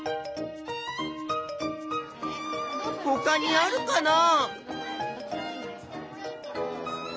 ほかにあるかな？